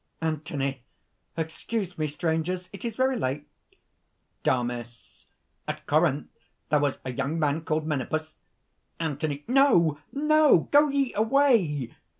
ANTHONY. "Excuse me, strangers it is very late ..." DAMIS. "At Corinth there was a young man called Menippus ..." ANTHONY. "No! no! go ye away!"